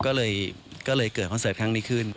ก็เลยเกิดคอนเสิร์ตครั้งนี้ขึ้น